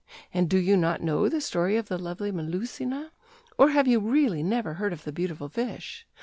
And do you not know the story of the lovely Melusina?... Or have you really never heard of the beautiful fish?